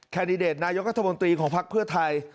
แดดิเดตนายกรัฐมนตรีของภักดิ์เพื่อไทย